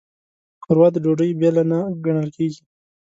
ښوروا د ډوډۍ بېله نه ګڼل کېږي.